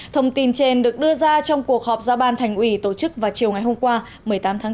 thông tin trên được đưa ra trong cuộc họp do ban thành ủy tổ chức vào chiều ngày hôm qua một mươi tám tháng bốn